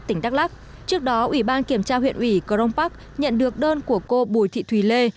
tỉnh đắk lắc trước đó ủy ban kiểm tra huyện ủy crong park nhận được đơn của cô bùi thị thùy lê